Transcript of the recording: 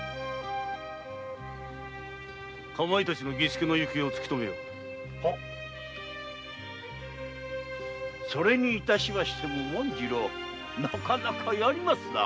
「かまいたちの儀助」の行方を突きとめよそれにしても紋次郎なかなかやりますな。